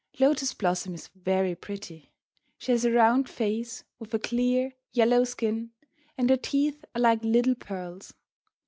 Lotus Blossom is very pretty. She has a round face, with a clear, yellow skin, and her teeth are like little pearls.